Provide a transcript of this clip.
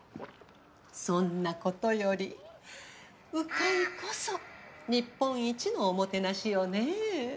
そんなことより鵜飼いこそ日本一のおもてなしよねぇ。